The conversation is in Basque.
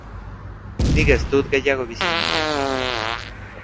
Nik ez dut gehiago bizi nahi.